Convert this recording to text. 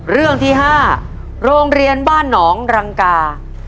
เรื่องที่๕โรงเรียนบ้านหนองรังกา